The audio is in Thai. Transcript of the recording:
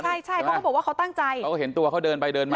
ใช่ใช่เขาก็บอกว่าเขาตั้งใจเขาเห็นตัวเขาเดินไปเดินมา